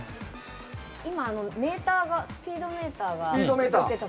今メーターがスピードメーターが映ってた。